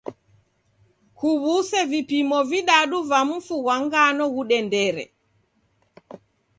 Kuw'use vipimo vidadu va mfu ghwa ngano ghudendere.